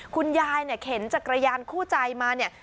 คุณยายเนี่ยเข็นจักรยานคู่ใจมาเนี่ย